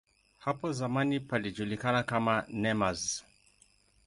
Hapo zamani palijulikana kama "Nemours".